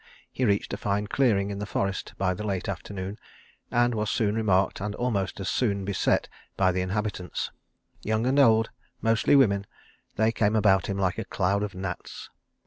He reached a fine clearing in the forest by the late afternoon, and was soon remarked and almost as soon beset by the inhabitants. Young and old, mostly women, they came about him like a cloud of gnats.